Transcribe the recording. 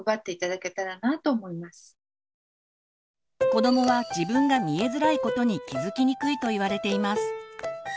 子どもは自分が「見えづらい」ことに気づきにくいといわれています。